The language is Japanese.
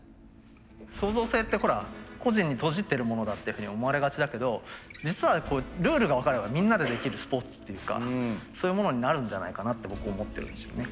創造性ってほら個人に閉じてるものだっていうふうに思われがちだけど実はルールが分かればみんなでできるスポーツっていうかそういうものになるんじゃないかなって僕思ってるんですよね。